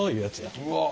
うわ。